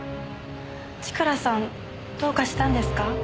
千倉さんどうかしたんですか？